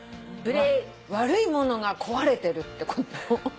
悪いものが壊れてるってこと？